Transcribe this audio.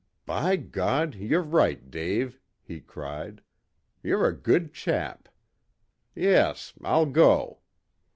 "By God, you're right, Dave," he cried. "You're a good chap. Yes, I'll go.